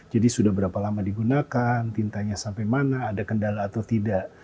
jadi sudah berapa lama digunakan tintanya sampai mana ada kendala atau tidak